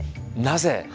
なぜ？